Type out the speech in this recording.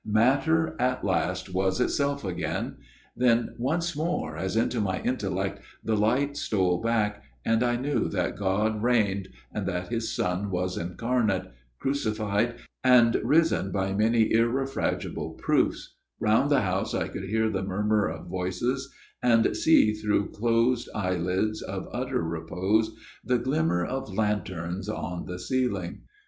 Matter at last was itself again ; then once more, as into my intellect the light stole back, and I knew that God reigned and that His Son was incarnate, crucified and risen by many FATHER GIRDLESTONE'S TALE 135 irrefragable proofs, round the house I could hear the murmuring of voices, and see through closed eye lids of utter repose the glimmer of lanterns on the ceiling.